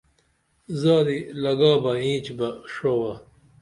زادی لگا بہ اینچ بہ ڜوہ